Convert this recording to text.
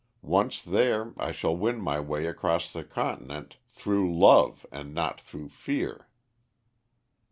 Once there, I shall win my way across the Continent through love and not through fear."